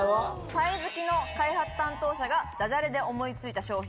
サイ好きの開発担当者がダジャレで思い付いた商品。